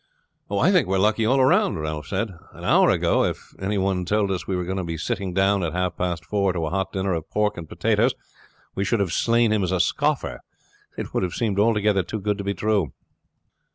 "I think we are lucky all round," Ralph said. "An hour ago if any one told us we were going to sit down at half past four to a hot dinner of pork and potatoes we should have slain him as a scoffer. It would have seemed altogether too good to be true."